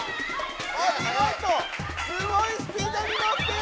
みごとすごいスピードにのっている！